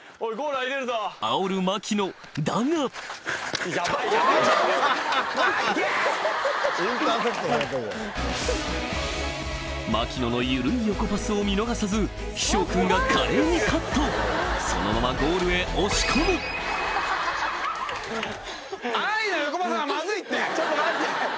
あおる槙野だが槙野の緩い横パスを見逃さずひしょう君が華麗にカットそのままゴールへ押し込むちょっと待って！